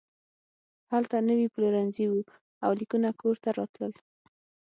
هلته نوي پلورنځي وو او لیکونه کور ته راتلل